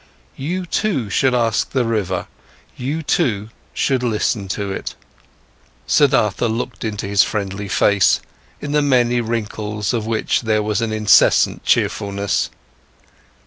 You too should ask the river; you too should listen to it!" Troubled, Siddhartha looked into his friendly face, in the many wrinkles of which there was incessant cheerfulness.